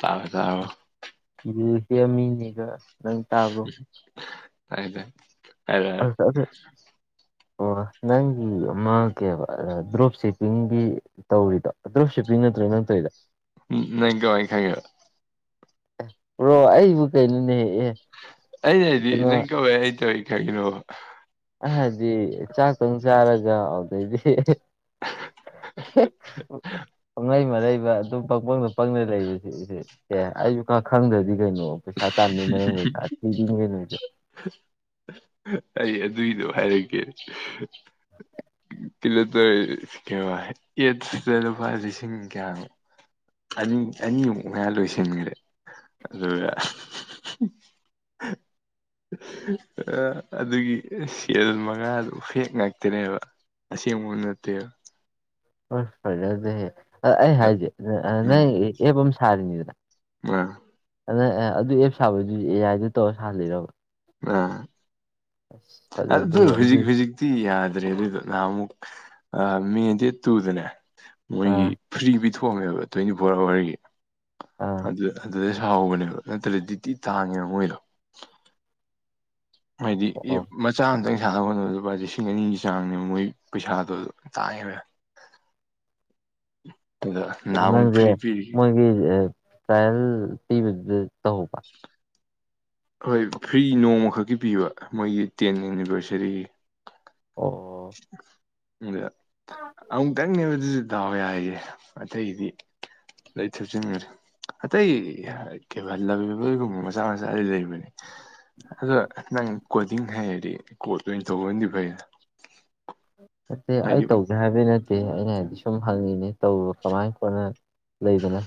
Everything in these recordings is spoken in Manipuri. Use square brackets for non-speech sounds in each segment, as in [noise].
ꯇꯥꯕ ꯇꯥꯕ ꯌꯔꯁꯦꯒꯥ ꯅꯪ ꯇꯥꯕ꯭ꯔꯣ ꯍꯥꯏꯗꯦ ꯍꯥꯏꯗ ꯑꯁ ꯑꯗꯨ ꯑꯣ ꯅꯪꯒꯤ ꯃꯀꯦꯕ ꯗ꯭ꯔꯣꯞ ꯁꯤꯞꯄꯤꯡꯒꯤ ꯇꯧꯔꯤꯗꯣ ꯗ꯭ꯔꯣꯞ ꯁꯤꯞꯄꯤꯡ ꯅꯠꯇ ꯅ ꯇ ꯏꯂ [unintelligible] ꯎ ꯅꯪꯀ ꯋꯥꯏ ꯈ ꯔꯣ ꯑꯩꯕꯨ ꯀꯩꯅꯣꯅꯦ ꯍꯦꯛꯑ ꯑꯩꯩꯅ ꯍꯥꯏꯗꯤ ꯅꯪ ꯀꯧꯋꯦ ꯑꯩ ꯇꯧꯋꯏ ꯈꯔꯤꯒꯤꯅꯣꯕ ꯗꯤ ꯆꯥꯛꯇꯣꯡ ꯆꯥꯔꯒ ꯑꯗꯨꯗꯩꯗꯤ [inaudible] ꯄꯪꯉꯩ ꯃꯔꯩꯕ ꯑꯗꯨꯝ ꯄꯪꯄꯪꯗ ꯄꯪꯅ ꯂꯩꯕꯁꯤ ꯑꯦ ꯑꯩꯁꯨ ꯈ ꯈꯪꯗ꯭ꯔꯗꯤ ꯀꯩꯅꯣ ꯁꯥꯔꯇꯥꯟꯃꯤ ꯃꯔꯝ ꯑꯣꯏꯗ ꯑꯣꯏꯁꯨ ꯑꯗꯨꯏꯗꯣ ꯍꯥꯏꯔꯛꯒꯦ ꯀꯤꯂꯣꯇꯔ ꯀ ꯌꯦꯠꯁꯤꯗ ꯂꯨꯄꯥ ꯂꯤꯁꯤꯡ ꯀꯌꯥꯅꯣ ꯑꯅꯤ ꯑꯅꯤꯃꯨꯛ ꯉꯥꯏꯔ ꯂꯣꯏꯁꯤꯟꯈ꯭ꯔꯦ ꯑꯗꯨꯒ [inaudible] ꯑꯗꯨꯒꯤ ꯁꯦꯗꯨꯜ ꯃꯉꯥꯗꯨ ꯐꯦꯛ ꯉꯥꯛꯇꯅꯦꯕ ꯑꯁꯤꯁ ꯃꯟꯅꯠꯇ ꯍ ꯐꯗꯦ ꯑꯩ ꯍꯥꯏꯁꯦ ꯅꯪ ꯎꯝ ꯑꯦꯞ ꯑꯃ ꯁꯥꯔꯤꯅꯤꯗꯅ ꯑꯥ ꯑꯗ ꯑꯦ ꯑꯗꯨ ꯑꯦꯞ ꯁꯥꯕꯗꯨꯗꯤ ꯑꯦ ꯑꯥꯏꯗ ꯇꯧꯔ ꯁꯥꯍꯜꯂꯤꯔꯕ ꯑꯁ ꯑ ꯑꯗꯨ ꯐꯖꯗꯦ ꯍꯧꯖꯤꯛ ꯍꯧꯖꯤꯛꯇꯤ ꯌꯥꯗ꯭ꯔꯦ ꯑꯗꯨꯗꯨ ꯅꯍ ꯑꯃꯨꯛ ꯃꯦ ꯗꯦꯠ ꯇꯨꯗꯅꯦ ꯃꯣꯏꯒꯤ ꯑꯥ ꯐ꯭ꯔꯤ ꯄꯤꯊꯣꯛꯑꯝꯃꯦꯕ ꯇ꯭ꯋꯦꯟꯇꯤ ꯐꯣꯔ ꯑꯋꯥꯔꯒꯤ ꯑꯥ ꯑꯗꯨꯗꯩ ꯍꯥꯎꯒꯅꯦꯕ ꯅꯠꯇ꯭ꯔꯗꯤ ꯗꯤꯇꯤ ꯇꯥꯡꯉꯦ ꯃꯣꯏꯗꯣ ꯍꯥꯏꯗꯤ ꯑꯣ ꯃꯆꯥ ꯑꯃꯇꯪ ꯄꯩꯁꯥ ꯀ ꯂꯨꯄꯥ ꯂꯤꯁꯤꯡ ꯑꯅꯤꯒꯤ ꯆꯥꯡꯅꯦꯕ ꯃꯣꯏ ꯄꯩꯁꯥꯗꯣ ꯇꯥꯏꯌꯦꯕ ꯅꯍꯥꯟꯃꯨꯛ ꯅꯪꯁꯦ ꯐ꯭ꯔꯤ ꯄꯤꯔꯤ ꯃꯣꯏꯒꯤ ꯇ ꯇꯤ ꯇ ꯄ ꯍꯣꯏ ꯐ꯭ꯔꯤ ꯅꯣꯡꯃꯈꯛꯀꯤ ꯄꯤꯕ ꯃꯣꯏꯒꯤ ꯇꯦꯟ ꯑꯦꯅꯤꯚꯔꯁꯔꯤꯒꯤ ꯑꯣ ꯑ ꯀ ꯗꯥꯎꯋꯦ ꯍꯥꯏꯌꯦꯦ ꯑꯇꯩꯗꯤ ꯂꯩ ꯊꯨꯞꯆꯤꯟꯈꯔꯦ ꯑꯇꯩ ꯀꯩꯜꯂꯕꯤꯕꯣꯏꯒꯨꯝꯕ ꯃꯆꯥ ꯃꯆꯥꯗꯤ ꯂꯩꯕꯅꯦ ꯑꯗꯣ ꯅꯪ ꯀꯣꯗꯤꯡ ꯍꯥꯏꯔꯗꯤ ꯀꯣ ꯑꯣꯏꯅ ꯇꯧꯕ ꯑꯣꯏꯅꯗꯤ ꯐꯩꯅ ꯅꯠꯇꯦ ꯑꯩ ꯇꯧꯗꯦ ꯍꯥꯏꯕꯩ ꯅꯠꯇꯦ ꯑꯩꯅ ꯍꯥꯏꯗꯤ ꯁꯨꯝ ꯍꯪꯉꯤꯅꯦ ꯇꯧꯕ ꯀꯃꯥꯏ ꯀꯣꯟꯅ ꯂꯩꯗꯅ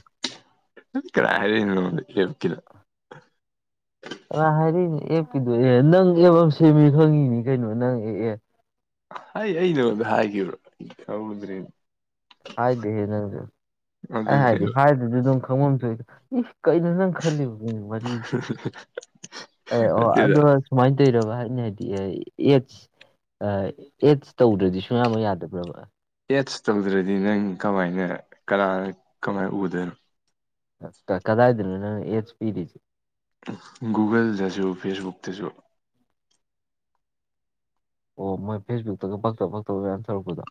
ꯀꯥꯔꯤ ꯂꯣ ꯌꯦ ꯀꯂ ꯍꯥꯏꯔꯤꯛꯏꯅꯦ ꯑꯦꯞꯀꯤꯗꯣ ꯑꯦ ꯅꯪ ꯑꯦꯞꯕ ꯁꯦꯝꯃꯤ ꯈꯪꯉꯤꯅꯤ ꯀꯩꯅꯣ ꯅꯪ ꯑꯦꯛꯑꯦ ꯍ ꯑ ꯅꯉꯣꯟꯗ ꯍꯥꯏꯈꯤꯕꯣ ꯑꯩ ꯈꯪꯔꯨꯗ꯭ꯔꯦꯅꯦ ꯍꯥꯏꯗꯦꯍꯦ ꯅꯪꯁꯨ ꯑꯩ ꯑꯗꯨꯅꯦꯕ ꯍꯥꯏꯗꯤꯦ ꯍꯥꯏꯗꯁꯨ ꯑꯗꯨꯝ ꯈꯪꯐꯝꯝ ꯊꯣꯛꯏ ꯀꯩꯅꯣ ꯅꯪ ꯈꯜꯂꯤꯕ ꯃꯤ ꯃꯔꯤꯗꯤ ꯑꯦ ꯑꯣ ꯅꯠꯇꯦꯗ ꯑꯣ ꯁꯨꯃꯥꯏꯅ ꯇꯧꯔꯕ ꯍꯥꯏꯅꯤ ꯍꯥꯏꯗꯤ ꯑꯦꯠꯁ ꯑꯦꯗꯁ ꯇꯧꯗ꯭ꯔꯗꯤ ꯁꯨꯡꯌꯥꯕ ꯌꯥꯗꯕ꯭ꯔꯕ ꯑꯦꯦꯠꯁ ꯇꯧꯗ꯭ꯔꯗꯤ ꯅꯪ ꯀꯃꯥꯏꯅ ꯀ ꯀꯃꯥꯏꯅ ꯎꯗꯣꯏꯅꯣ ꯀꯗꯥ ꯍꯥꯏꯗꯅ ꯅ ꯌꯦꯁ ꯄꯤꯔꯤꯁꯤ ꯒꯨꯒꯜꯗꯁꯨ ꯐꯦꯁꯕꯨꯛꯇꯁꯨ ꯑꯣ ꯃꯣꯏ ꯐꯦꯁꯕꯨꯛꯇꯒ ꯄꯥꯛꯇ ꯄꯥꯛ ꯇꯧ ꯌꯥ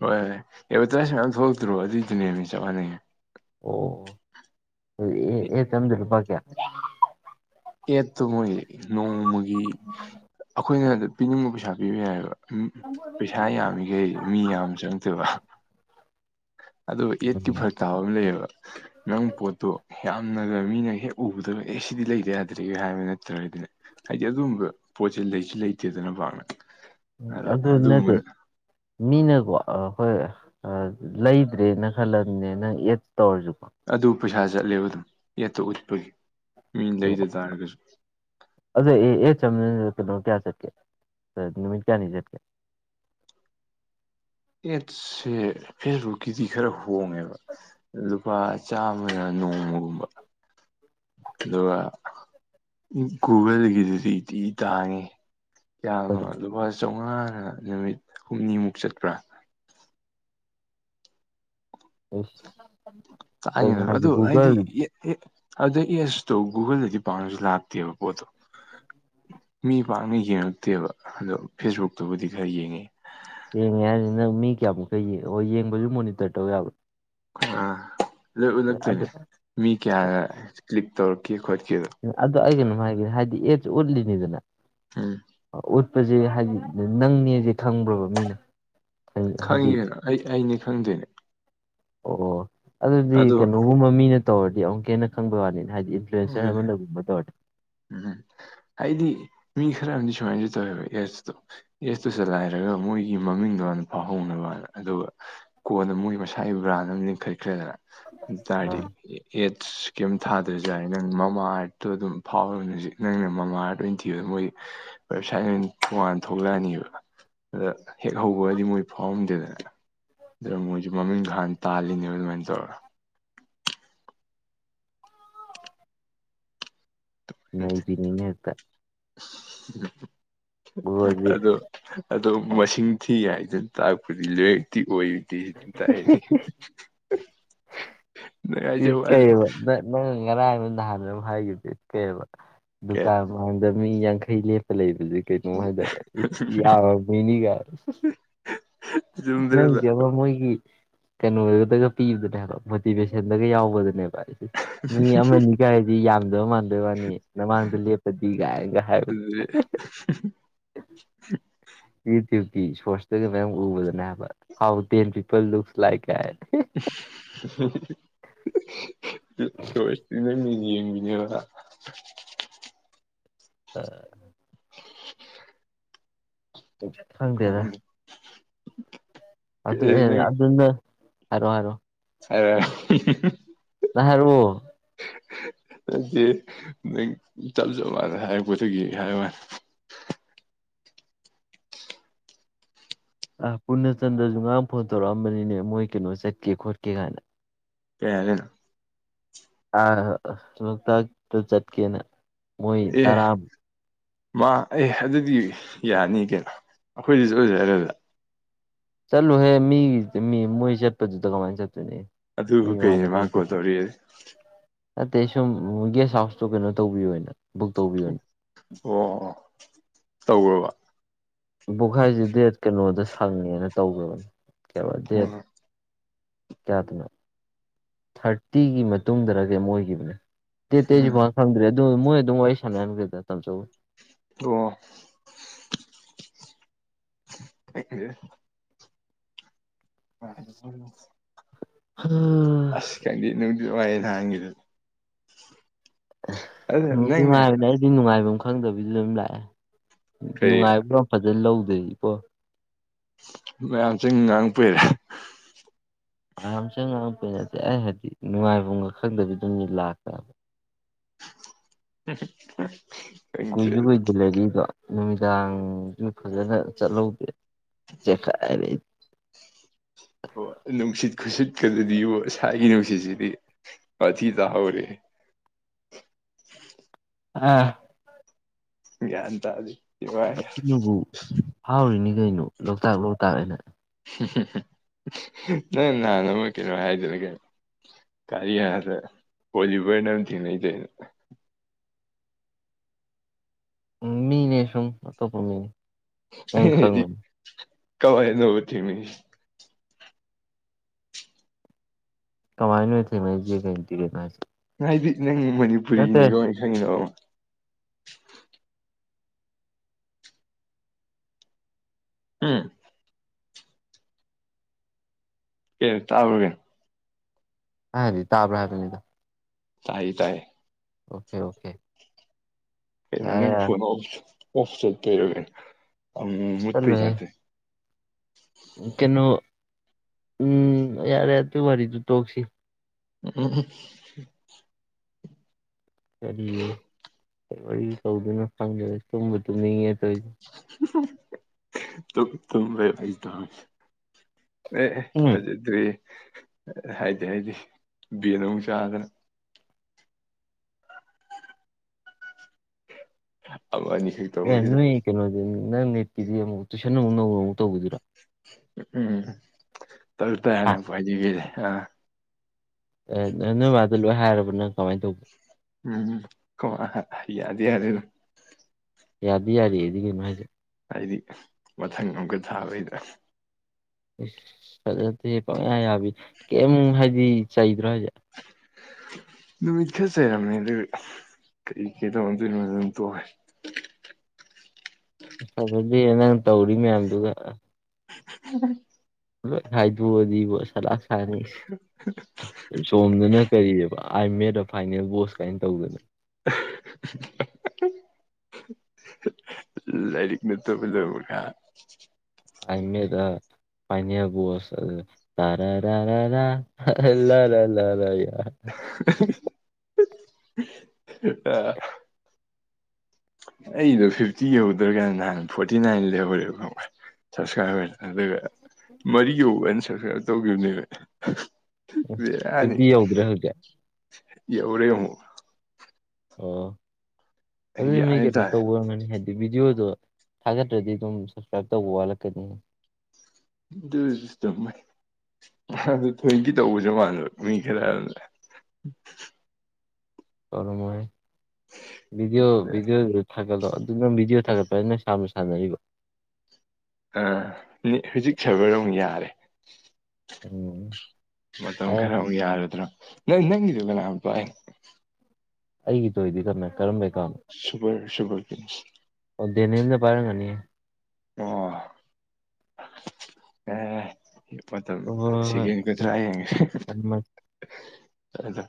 ꯍꯣꯏ ꯍꯣꯏ ꯑꯦꯗꯚꯔꯇꯥꯏꯖ ꯃꯌꯥꯝ ꯊꯣꯛꯂꯛꯇ꯭ꯔꯣ ꯑꯗꯨꯏꯗꯨꯅꯦ ꯃꯤ ꯆꯞ ꯃꯥꯟꯅꯉꯦ ꯑꯟꯏꯟꯇꯦꯜꯂꯤꯖꯦꯕꯜ ꯑꯦꯠꯇꯣ ꯃꯣꯏ ꯅꯣꯡꯃꯒꯤ ꯑꯩꯈꯣꯏꯅ ꯄꯤꯅꯤꯡꯕ ꯄꯩꯁꯥ ꯄꯤꯕ ꯌꯥꯏꯑꯕ ꯎꯝ ꯄꯩꯁꯥ ꯌꯥꯝꯃꯤꯈꯩ ꯃꯤ ꯌꯥꯝ ꯆꯪꯗꯦꯕ ꯑꯣ ꯑꯦꯠꯀꯤ ꯎꯝ ꯐꯔꯛ ꯇꯥꯕ ꯑꯃ ꯂꯩꯌꯦꯕ ꯅꯪ ꯄꯣꯠꯇꯣ ꯌꯥꯝꯅ ꯃꯤꯅ ꯍꯦꯛ ꯎꯕꯗꯕ ꯑꯦ ꯁꯤꯗꯤ ꯂꯩꯗ ꯌꯥꯗ꯭ꯔꯦ ꯍꯥꯏꯕ ꯅꯠꯇ꯭ꯔꯒꯗꯅ ꯍꯥꯏꯗꯤ ꯑꯗꯨꯝꯕ ꯄꯣꯠꯁꯦ ꯂꯩꯁꯨ ꯂꯩꯇꯦꯗꯅ ꯃꯍꯥꯛꯥꯛꯅ ꯎꯝ ꯑꯗꯨ ꯅꯗꯤꯦ ꯃꯤꯅꯀꯣ ꯑꯩꯈꯣꯏ ꯂꯩꯗ꯭ꯔꯦꯅ ꯈꯜꯂꯝꯕꯅꯦ ꯅꯪ ꯑꯦꯗ ꯇꯧꯔꯁꯨꯀꯣ ꯑꯗꯨ ꯄꯩꯁꯥ ꯆꯠꯂꯦꯕ ꯑꯗꯨꯝ ꯌꯦꯠꯇ ꯎꯠꯄꯒꯤ ꯃꯤꯅ ꯂꯩꯗ ꯇꯥꯔꯒꯁꯨ ꯑꯟꯏꯟꯇꯦꯜꯂꯤꯖꯦꯕꯜ ꯀꯌꯥ ꯁꯠꯀꯦ ꯅꯨꯃꯤꯠ ꯀꯌꯥ ꯅ ꯆꯠꯀꯦ ꯑꯦꯠꯁꯦ ꯐꯦꯁꯕꯨꯛꯀꯤꯗꯤ ꯈꯔ ꯍꯣꯡꯉꯦꯕ ꯂꯨꯄꯥ ꯆꯥꯝꯃꯒ ꯅꯣꯡ [inaudible] ꯑꯗꯨꯒ ꯒꯨꯒꯜꯒꯤꯗꯨꯗꯤꯇꯤ ꯇꯥꯡꯉꯤ ꯌꯥꯝꯅ ꯂꯨꯄꯥ ꯆꯥꯃꯉꯥꯅ ꯅꯨꯃꯤꯠ ꯍꯨꯝꯅꯤꯃꯨꯛ ꯆꯠꯄ꯭ꯔꯥ ꯑꯣ ꯥꯡꯦꯅꯦ ꯑꯗꯨ ꯍꯥꯏꯗꯤ ꯑꯗ ꯑꯦꯁꯇꯣ ꯒꯨꯒꯜꯗꯗꯤ ꯄꯥꯅꯁꯨ ꯂꯥꯛꯇꯦꯕ ꯄꯣꯠꯇꯣ ꯃꯤ ꯄꯥꯛꯅ ꯌꯦꯡꯉꯛꯇꯦꯕ ꯑꯗꯣ ꯐꯦꯁꯕꯨꯛꯇꯕꯨꯗꯤ ꯈꯔ ꯌꯦꯡꯉꯦ ꯌꯦꯡꯉꯦ ꯍꯥꯏꯅꯤ ꯅꯪ ꯃꯤ ꯀꯌꯥꯃꯨꯛꯀ ꯌꯦꯉ ꯍꯣꯏ ꯌꯦꯡꯕꯁꯨ ꯃꯣꯅꯤꯇꯔ ꯇꯧ ꯌꯥꯕꯅꯣ ꯑꯥ ꯂꯣꯏ ꯎ ꯅꯛꯇꯣꯏꯅꯦ ꯃꯤ ꯀꯌꯥ ꯀ꯭ꯂꯤꯞ ꯇꯧꯔꯛꯀꯦ ꯈꯣꯠ ꯑꯗꯣ ꯑꯩ ꯀꯩꯅꯣꯝ ꯍꯥꯏꯒꯦ ꯍꯥꯏꯗꯤ ꯑꯦꯞꯁ ꯎꯠꯂꯤꯅꯤꯗꯅ ꯎꯝ ꯆꯠꯄꯁꯦ ꯍꯥꯏꯗꯤ ꯅꯪꯅꯦꯁꯦ ꯈꯪꯕ꯭ꯔꯕ ꯃꯤꯅ ꯑꯩ ꯍꯥꯏꯗꯤ ꯈꯪꯉꯦꯅ ꯑꯩ ꯑꯩꯅꯤ ꯈꯪꯗꯦꯅꯦ ꯑꯣ ꯑꯣ ꯑꯗꯨꯗꯤ ꯀꯩꯅꯣꯒꯨꯝꯕ ꯃꯤꯅ ꯇꯧꯔꯗꯤ ꯑꯃꯨꯛꯀꯦꯟꯅ ꯈꯪꯕꯩ ꯋꯥꯅꯤ ꯍꯥꯏꯗꯤ ꯏꯟꯐ꯭ꯂꯨꯋꯦꯟꯁꯔ ꯑꯗꯨꯅꯦ ꯑꯃꯗꯒꯨꯝꯕ ꯇꯧꯔꯗ ꯎꯝ ꯍꯥꯏꯗꯤ ꯃꯤ ꯈꯔ ꯑꯃꯗꯤ ꯁꯨꯃꯥꯏꯅꯁꯨ ꯇꯧꯋꯦꯕ ꯑꯦꯁꯇꯣ ꯑꯦꯁꯇꯨ ꯆꯂꯥꯏꯔꯒ ꯃꯣꯏꯒꯤ ꯃꯃꯤꯡꯗꯣ ꯃꯥꯥꯟꯅ ꯐꯥꯎꯍꯧꯅꯕ ꯑꯗꯨꯒ ꯀꯣꯟꯗ ꯃꯣꯏꯒꯤ ꯃꯁꯥꯒꯤ ꯕ꯭ꯔꯥꯟ ꯑꯃ ꯂꯤꯡꯈꯠꯈ꯭ꯔꯦꯗꯅ ꯑꯗꯨꯇꯥꯔꯗꯤ ꯑꯥ ꯑꯦꯠꯁ ꯀꯩꯝ ꯊꯥꯗꯣꯏꯁꯦ ꯖ ꯅꯪ ꯃꯃꯥ ꯑꯥꯔꯠꯇꯣ ꯑꯗꯨꯝ ꯐꯥꯎꯅꯦ ꯍꯧꯖꯤꯛ ꯅꯪꯅ ꯃꯃꯥ ꯑꯥꯔꯠ ꯑꯣꯏꯅ ꯊꯤ ꯃꯣꯏꯒꯤ ꯋꯦꯕꯁꯥꯏꯠ ꯊꯉꯥꯟ ꯊꯣꯛꯂꯛꯑꯅꯤꯕ ꯑꯗ ꯍꯦꯛ ꯍꯧꯕꯑꯗꯤ ꯃꯣꯏ ꯐꯥꯎꯔꯝꯗꯦꯗꯅ ꯑ ꯃꯣꯏ ꯃꯃꯤꯡ ꯈꯥꯟ ꯇꯥꯜꯂꯤꯅꯦꯕ ꯑꯗꯨꯃꯥꯏꯅ ꯇꯧꯔ ꯅꯩ ꯄꯅꯤꯅ ꯌꯦꯛꯇ ꯕ꯭ꯔꯣꯗꯤ ꯑꯗ ꯑꯣ ꯃꯁꯤꯡ ꯊꯤ ꯍꯥꯏꯗꯅ ꯇꯥꯛꯄꯗꯤ ꯂꯥꯏꯔꯛꯇꯤ ꯑꯣꯏꯗꯦ ꯑꯗꯨꯝ ꯇꯥꯛꯅꯤ [inaudible] ꯁꯤ ꯀꯕ ꯉꯔꯥꯡ ꯑꯃ ꯅꯍꯥꯟ ꯍꯥꯏꯈꯤꯕꯦꯀꯩꯕ ꯀꯩ ꯗꯨꯀꯥꯟ ꯃꯥꯡꯗ ꯃꯤ ꯌꯥꯡꯈꯩꯄ ꯂꯩꯕꯁꯦ ꯀꯩꯅꯣ ꯍꯥꯏꯇꯥꯔꯦ ꯌꯥꯅꯤ ꯆꯨꯝꯗ꯭ꯔꯗ ꯅ ꯕ ꯃꯣꯏꯒꯤ ꯀꯩꯅꯣꯗꯨꯗꯒ ꯄꯤꯕꯗꯅꯦꯕ ꯕꯗꯤꯤ ꯕꯦꯁꯦꯟꯗꯒ ꯌꯥꯎꯕꯗꯅꯦꯕ ꯑꯩꯁꯦ ꯃꯤ ꯑꯃꯅꯤꯒ ꯍꯥꯏꯗꯤ ꯌꯥꯝꯗꯕ ꯃꯥꯟꯗꯣꯏ ꯋꯥꯅꯤ ꯅꯃꯥꯡꯗ ꯂꯦꯞꯄꯗꯤ ꯀꯥꯏꯅꯒ ꯍꯥꯏꯕ ꯑꯗꯨꯗꯤ [inaudible] ꯏꯗꯤ ꯁꯣꯔꯁꯇꯒꯤ ꯃꯌꯥꯝ ꯎꯕꯗꯅꯦ ꯍꯥꯏꯕ how ten people looks like ꯀ ꯁꯣꯁꯇꯅꯦ ꯃꯤ ꯌꯦꯅꯦ ꯑ [inaudible] ꯈꯪꯗꯦꯗ ꯑꯗꯨ ꯑꯦ ꯅꯪ ꯑꯗꯨꯅ ꯍꯔꯣ ꯍꯥꯏꯔꯣ ꯑ ꯅꯍꯔ ꯑꯗꯨꯗꯤ ꯅꯪ ꯆꯞ ꯆꯞ ꯃꯥꯟꯅ ꯍꯥꯏꯔꯄꯣꯠꯇꯒꯤ ꯍꯥꯏꯌ ꯃꯥꯅꯤ [inaudible] ꯑ ꯄꯨꯟꯅ ꯆꯟꯗ꯭ꯔꯁꯨ ꯉꯔꯥꯡ ꯐꯣꯟ ꯇꯧꯔꯛꯑꯝꯕꯅꯤꯅꯦ ꯃꯣꯏ ꯀꯩꯅꯣ ꯆꯠꯀꯦ ꯈꯣꯠꯀꯦ ꯀꯥꯏꯅ ꯀꯦꯗꯅ ꯂꯣꯛꯇꯥꯛꯇꯨ ꯆꯠꯀꯦꯅ ꯃꯣꯏ ꯑꯦ ꯇꯔꯥꯝ ꯃꯥ ꯑꯦ ꯑꯗꯨꯗꯤ ꯌꯥꯅꯤ ꯀꯩꯅꯣ ꯑꯩꯈꯣꯏꯗꯁꯨ ꯑꯣꯏꯖ ꯑꯗꯨꯗ ꯆꯂꯨ ꯍꯦ ꯃꯤ ꯃꯤ ꯃꫭꯏ ꯆꯠꯄꯗꯨꯗ ꯀꯃꯥꯏꯅ ꯑꯗꯨꯕꯨ [inaudible] ꯀꯩꯅꯤ ꯃꯥ ꯀꯣꯜ ꯇꯧꯔꯛꯑꯦ [unintelligible] ꯑꯇꯩ ꯁꯨꯝ ꯒꯦꯁꯠ ꯍꯥꯎꯁꯇꯣ ꯀꯩꯅꯣ ꯇꯧꯕꯤꯌꯣꯅ ꯕꯨꯛ ꯇꯧꯕꯤꯌꯣꯅ ꯑꯣ ꯇꯧꯒꯔꯕ꯫ ꯕꯨꯈꯥꯏꯁꯦ ꯗꯦꯠ ꯀꯩꯅꯣꯗ ꯁꯪꯉꯦꯅ ꯇꯧꯒꯔꯕꯅꯤ ꯀꯩꯅꫭ ꯗꯦꯠ ꯀꯌꯥꯗꯅꯣ ꯊꯥꯔꯇꯤꯒꯤ ꯃꯇꯨꯡꯗꯔ ꯒꯩꯃ ꯑꯣꯏꯈꯤꯕꯅꯦ꯫ ꯗꯠꯇꯤꯦ ꯑꯩꯁꯨ ꯐꯟ ꯈꯪꯗ꯭ꯔꯦ ꯑꯗꯨ ꯃꯣꯏ ꯑꯗꯨꯝ ꯋꯥꯔꯤ ꯁꯥꯟꯅ ꯀꯩꯀꯥ ꯇꯧꯖꯧ꯫ ꯑꯣ [inaudible] [unintelligible] ꯑꯁ ꯈꯪꯗꯦ ꯅꯨꯡꯗꯤ ꯅꯡꯉꯥꯏ ꯅꯍꯥꯟꯒꯤꯗꫭ꯫ ꯅꯨꯡꯗꯤ ꯅꯨꯡꯉꯥꯏꯕꯅꯦ ꯑꯩꯗꯤ ꯅꯨꯡꯉꯥꯏꯐꯝ ꯈꯪꯗꯕꯤꯗ ꯑꯗꯨꯝ ꯂꯥꯛꯑꯦ꯫ ꯀꯩ ꯅꯨꯡꯉꯥꯏꯕ꯭ꯔꫭ ꯐꯖꯅ ꯂꯧꯗꯦ ꯏꯀꯣ꯫ ꯃꯌꯥꯝ ꯆꯪ ꯉꯥꯡ ꯀꯨꯏꯔꯦ꯫ ꯃꯌꯥꯝ ꯆꯪ ꯉꯥꯡꯑꯛꯄꯩ ꯅꯠꯇꯦ ꯑꯩꯅ ꯍꯥꯏꯗꯤ ꯅꯨꯡꯉꯥꯏꯐꯝꯒ ꯈꯪꯗꯕꯤꯗꯨꯝꯅꯤ ꯂꯥꯛꯄ꯫ [unintelligible] ꯀꯨꯏꯁꯨꯨ [inaudible] ꯅꯨꯃꯤꯗꯥꯡꯁꯨ ꯐꯖꯅ ꯆꯠꯍꯧꯗꯦ꯫ ꯆꯦꯈꯥꯏꯔꯦ꯫ ꯑꯣ ꯅꯨꯡꯁꯤꯠ ꯈꯨꯁꯤꯠꯀꯗꯨꯗꯕꯤꯣ ꯏꯁꯥꯒꯤ ꯅꯨꯡꯁꯤꯠꯁꯤꯗꯤ ꯋꯥꯊꯤ ꯇꯥꯍꯧꯔꯦ꯫ ꯑꯥ ꯒꯌꯥꯟ ꯇꯗꯦ꯫ ꯑꯗꯨꯅꯕꯨ ꯐꯥꯎꯔꯤꯅꯤ ꯀꯩꯅꯣ ꯂꯣꯛꯇꯥꯛ-ꯂꯣꯛꯇꯥꯛ ꯍꯥꯏꯅ꯫ ꯅꯪ ꯅꯍꯥꯟ ꯑꯃ ꯀꯩꯅꯣ ꯍꯥꯏꯗꯨꯅ ꯀꯩꯅꫭ꯫ ꯀꯔꯤ꯫ [inaudible] ꯎꯝ ꯃꯤꯅꯦ ꯁꯨꯝ ꯑꯇꫭꯞꯄ ꯃꯤꯅꯤ꯫ ꯑꯩꯅ ꯍꯥꯏꯗꯤ ꯀꯃꯥꯏꯅ ꯅꫭꯕ ꯊꯦꯡꯅꯤꯁꯤ꯫ ꯀꯃꯥꯏꯅꯅꫭ ꯊꯦꯅꯩꯁꯦ ꯀꯩ ꯏꯟꯇꯤꯒꯦꯠꯅꫭ ꯍꯥꯏꯁꯦ꯫ ꯍꯥꯏꯗꯤ ꯅꯪ ꯅꯠꯇꯦ ꯃꯅꯤꯄꯨꯔꯤꯅꯤꯀꯣ ꯈꯪꯕꯗ ꯑꯃ꯫ ꯎꯝ ꯀꯩꯅꫭ ꯇꯥꯕ꯭ꯔ ꯀꯩꯅꫭ꯫ ꯍꯥꯏꯗꯤ ꯇꯥꯕ꯭ꯔ ꯍꯥꯏꯗꯅꯤꯗ꯫ ꯇꯥꯏ ꯇꯥꯏꯌꯦ꯫ ꯑꯣꯀꯦ ꯀꯩꯅꫭ ꯌꯥꯔꯦ ꯅꯪ ꯌꯥꯔꯦ ꯐꯣꯟ ꯑꯣꯐ ꯆꯠꯄꯩꯔ ꯑꯃ ꯃꯨꯠꯄꯩ ꯆꯠꯂꯣꯍꯦ ꯇꯥꯏꯞ ꯇꯋꯦ꯫ ꯀꯩꯅꯣ ꯎꯝ ꯌꯥꯔꯦ ꯑꯗꯨ ꯋꯥꯔꯤꯗꯨ ꯇꯣꯛꯁꯤ꯫ ꯎꯝ ꯀꯔꯤ ꯀꯔꯤ ꯋꯥꯔꯤ ꯇꯧꯗꫭꯏꯅꫭ ꯈꯪꯗꯗꯦ ꯇꯨꯝꯕꯨ ꯇꯨꯝꯅꯤꯡꯉꯦ ꯇꯧꯏ꯫ [unintelligible] ꯑꯦ ꯑꯦ ꯎꯝ ꯐꯖꯗ꯭ꯔꯦ ꯍꯥꯏꯗꯤ ꯍꯥꯏꯗꯤ ꯕꯦꯟ ꯑꯃꯨꯛ ꯆꯥꯗꯅ꯫ [unintelligible] ꯑꯦ ꯇꯧꯕꯁꯤꯗ ꯅꯣꯏ ꯀꯩꯅꯣꯗꯨ ꯅꯪ ꯅꯦꯠꯀꯤꯗꯤ ꯑꯃꯨꯛ ꯇꯨꯏꯁꯟ ꯅꯧꯅ ꯑꯃꯨꯛ ꯇꯧꯒꯤꯗꫭꯔꫭ꯫ ꯎꯝ ꯇꯧ ꯇ ꯍꯥ ꯍꯥꯏꯅ ꯎꯄꯥꯏꯗꯤ ꯀꯩ ꯂꯩ꯫ ꯑ ꯅ ꯅꫭꯏ ꯃꯥꯗ ꯂꯣꯏ ꯍꯥꯏꯔꯕ ꯅꯪ ꯀꯃꯥꯏꯅ ꯇꯧ꯫ ꯎꯝ ꯈꫭꯏ ꯃꯥ ꯌꯥꯗꯤ ꯌꯥꯔꯦ ꯑꯗꯨꯝ꯫ ꯌꯥꯗꯤ ꯌꯥꯔꯦꯗꯤ ꯀꯩꯅꯣ ꯍꯥꯏꯖꯦ꯫ ꯍꯥꯏꯗꯤ ꯃꯊꯪ ꯑꯃꯨꯛꯀ ꯊꯥꯕꯩꯗ꯫ ꯏꯁ ꯆꯠꯂꯗꯦ ꯄꯪꯌꯥ ꯌꯥꯕꯤ ꯀꯩꯝ ꯍꯥꯏꯗꯤ ꯆꯩꯗ꯭ꯔꯣ ꯍꯥꯏꯁꯦ꯫ [inaudible] ꯅꯨꯃꯤꯠ ꯈꯔ ꯆꯩꯔꯝꯃꯦ ꯑꯗꯨ ꯀꯩ ꯀꯩꯗꯧꯅꯗꯣꯏꯅꯣꯗ ꯑꯗꯨꯝ ꯇꯣꯛꯦ꯫ ꯐꯖꯗꯦ ꯅꯪ ꯇꯧꯔꯤ ꯃꯌꯥꯝꯗꯨꯒ꯫ [unintelligible] ꯂꯣꯏ ꯍꯥꯏꯗꯣꯛꯑꯗꯤꯕꯣ ꯁꯥꯂꯥꯛ ꯁꯥꯅꯤ ꯁꯣꯝꯗꯅ ꯀꯔꯤꯑꯕ ꯑꯥꯏ ꯃꯦꯠ ꯑ ꯐꯥꯏꯅꯦꯜ ꯕꯣꯁ ꯀꯥꯏꯅ ꯇꯧꯗꯅ [unintelligible] ꯂꯥꯏꯔꯤꯛ ꯅꯠꯇꯖ ꯑꯏꯟꯃꯤꯗ ꯄꯅꯤ ꯄꯣꯁ ꯇꯔꯔ ꯂ ꯂ ꯂ ꯂ ꯌꯥ [unintelligible] ꯑ ꯑꯩꯗꯣ ꯐꯤꯐꯇꯤ ꯌꯍꯧꯗ꯭ꯔꯒꯅ ꯅꯍꯥꯟ ꯐꯣꯔꯇꯤ ꯅꯥꯏꯟ ꯂꯩꯍꯧꯔꯦꯕ ꯁꯞꯁꯀ꯭ꯔꯥꯏꯕꯔ ꯑꯗꯨꯒ ꯃꯔꯤꯒꯤ ꯎꯅ ꯁꯞꯁꯀ꯭ꯔꯥꯏꯕ ꯇꯧꯈꯤꯕꯅꯦꯕ ꯕꯤꯔꯅꯤ ꯐꯤꯐꯇꯤ ꯌꯧꯗ꯭ꯔꯦ ꯍꯧꯖꯤꯛ ꯑꯦꯎꯔꯦ ꯑꯃꯨ ꯑꯣ ꯑꯗꯨꯗꯤ ꯃꯤ ꯒ꯭ꯌꯥꯟ ꯀꯩꯅꯣ ꯇꯥꯗꯦ ꯇꯧꯕꯔꯝꯒꯅꯤ ꯍꯥꯏꯗꯤ ꯚꯤꯗꯤꯑꯣꯗꯣ ꯊꯥꯒꯠꯇ꯭ꯔꯗꯤ ꯑꯗꯨꯝ ꯁꯞꯁꯀ꯭ꯔꯥꯏꯞ ꯇꯧꯕ ꯋꯥꯠꯂꯛꯀꯅꯤꯅꯤ ꯁꯤꯁ ꯇꯥꯏ ꯑꯗꯨ ꯊꯣꯏꯗꯤ ꯇꯧꯕꯁ ꯃꯥꯟꯕ ꯃꯤ ꯈꯔ ꯑꯗꯨꯅ [unintelligible] ꯀꯃ ꯗꯤꯑꯣ ꯤꯗꯤꯑꯣ ꯊꯦ ꯂꯣ ꯑꯗꯨ ꯅꯪ ꯚꯗꯤꯑꯣ ꯊꯥꯒꯠꯄ ꯅ ꯁꯅ ꯁꯥꯟꯅꯔꯤꯕ ꯑ ꯍꯧꯖꯤꯛ ꯁꯕꯔꯣꯛ ꯌꯥꯔꯦ ꯎꯝ ꯃꯇꯝ ꯑꯩ ꯈꯔ ꯑꯃꯨꯛ ꯌꯥꯔꯗ꯭ꯔꯣ ꯅꯪ ꯅꯪꯒꯤꯗꯤ ꯀꯅꯥꯝꯇꯏ ꯑꯩꯒꯤꯗꯣ ꯏꯗꯤ ꯀꯝꯃꯦ ꯀꯔꯝꯃꯦ ꯁꯨꯄꯔ ꯁꯨꯄꯔ ꯀ ꯀꯤꯡꯗꯝꯁ ꯑꯣ ꯗꯦꯅꯦꯅ ꯄꯥꯏꯔꯒꯅꯤ ꯑꯣ ꯑ ꯃꯇꯝ ꯍꯣꯏ ꯍꯣꯏ ꯍꯣꯏ ꯁꯦꯀꯦꯟ ꯎꯝ ꯀꯨꯟꯊ꯭ꯔꯥ ꯍꯦꯟꯉꯦ ꯊꯝꯃꯦ ꯑꯗꯣ